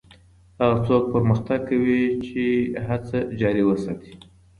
هغه څوک پرمختګ کوي چي هڅه جاري وساتي